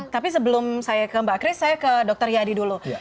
tapi sebelum saya ke mbak kris saya ke dr yadi dulu